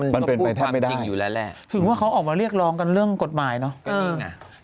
มันเป็นไปแทบไม่ได้ถึงว่าเขาออกมาเรียกรองกันเรื่องกฎหมายเนอะกันเองอ่ะ